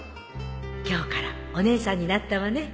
今日からお姉さんになったわね